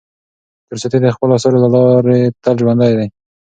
تولستوی د خپلو اثارو له لارې تل ژوندی دی.